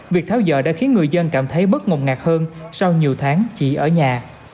việc tháo dở đã khiến người dân cảm thấy bất ngộng ngạc hơn sau nhiều tháng chỉ ở nhà